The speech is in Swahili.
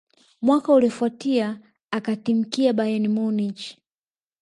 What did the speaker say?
Mwaka uliyofuatia akatimkia Bayern Munich